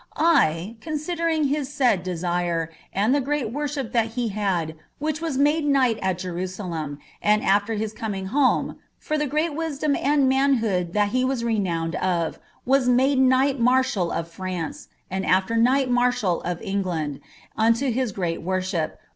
I (eonaidering hia aaid deaiie, and the great wotsbip that he had, which was made knight at jerunleiti, and s/ter hia coming home, for ilie great wiadom and manhood that he waa te nowned of; was nude kniglii msrshall of France, and nfter knighlHniirihall «f England' unto hie gieui worihip.